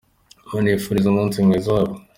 bakanabifuriza umunsi mwiza wabo.